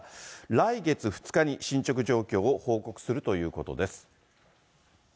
来月２日に進捗状況を報告するということです。